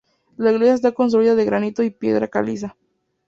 La iglesia está construida de granito y piedra caliza.